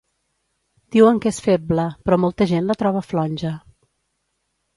Diuen que és feble, però molta gent la troba flonja.